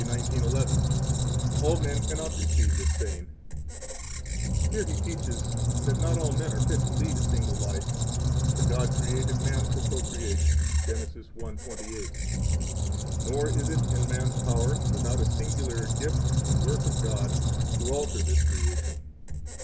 19:11: All men cannot receive this saying, where He teaches that not all men are fit to lead a single life; for God created man for procreation, Gen. 1:28. 6 Nor is it in man's power, without a singular gift and work of God, to alter this creation.